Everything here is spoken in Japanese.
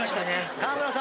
川村さん